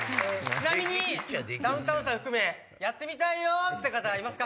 ちなみにダウンタウンさん含めやってみたいよって方いますか？